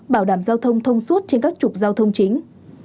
bảo đảm giao thông thông suốt trên các trục giao thông chính